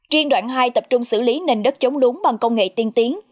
riêng đoạn hai tập trung xử lý nền đất chống lúng bằng công nghệ tiên tiến